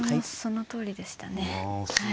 そのとおりでしたね。